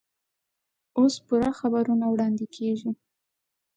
اوس پوره خبرونه واړندې کېږي.